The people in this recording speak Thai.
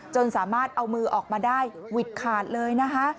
จนสามารถเอามือออกมาได้หวิดขาดเลยนะคะ